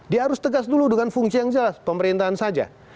dia harus tegas dulu dengan fungsi yang jelas pemerintahan saja